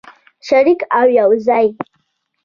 شریک او یوځای.